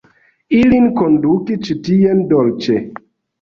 Ilin konduki ĉi tien dolĉe.